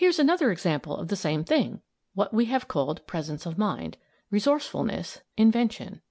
] Here's another example of the same thing; what we have called "presence of mind," resourcefulness, invention.